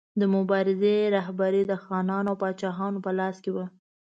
د مبارزې رهبري د خانانو او پاچاهانو په لاس کې وه.